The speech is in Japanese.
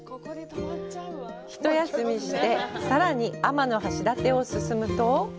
ひと休みして、さらに天橋立を進むと。